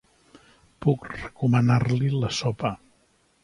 Puc recomanar-li la sopa.